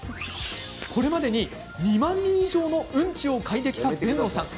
これまでに２万人以上のうんちを嗅いできた辨野さん。